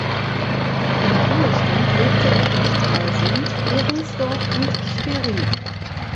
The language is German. Im Ruhestand lebte er in Stralsund, Heringsdorf und Schwerin.